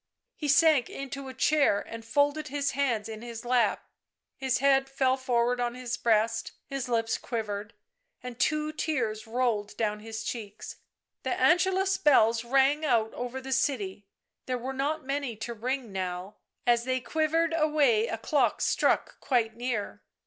He sank into a chair and folded his hands in his lap ; his head fell forward on his breast; his lips quivered and two tears rolled down his cheeks. The Angelus bells rang out over the city, there were not many to ring now ; as they quivered away a clock struck, quite near.